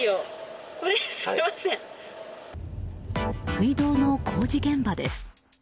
水道の工事現場です。